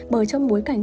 bởi trong bối cảnh